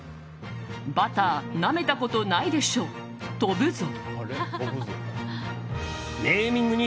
バター、舐めたことないでしょ、飛ぶぞ。